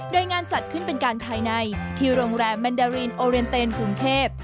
โดยงานจัดขึ้นเป็นการภายในที่โรงแรมแมนดารินโอเรนเตนกรุงเทพ